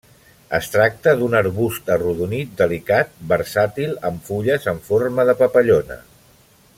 Es tracta d'un arbust arrodonit delicat versàtil amb fulles en forma de papallona.